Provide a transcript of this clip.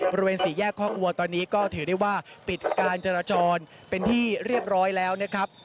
บริเวณสี่แยกคอกวัวตอนนี้ก็ถือได้ว่าปิดการจราจรเป็นที่เรียบร้อยแล้วนะครับ